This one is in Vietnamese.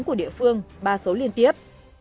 của địa phương ba số liên tiếp